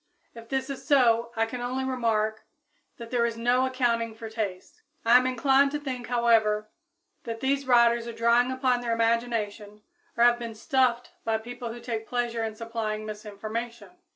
If this is so, I can only remark that there is no accounting for tastes. I am inclined to think, however, that these writers are drawing upon their imagination or have been "stuffed" by people who take pleasure in supplying misinformation.